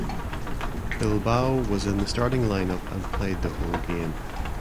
Bilbao was in the starting lineup and played the whole game.